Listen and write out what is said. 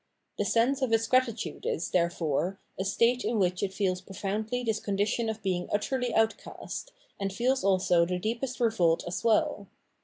The sense of its grati tude is, therefore, a state in which it feels profoundly this condition of being utterly outcast, and feels also the deepest revolt as well.